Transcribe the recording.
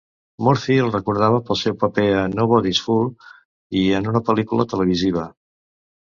Murphy el recordava pel seu paper a "Nobody's Fool" i en una pel·lícula televisiva.